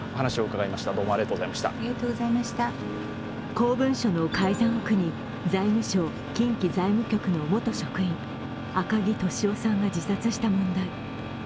公文書の改ざんを苦に財務省近畿財務局の元職員、赤木俊夫さんが自殺した問題。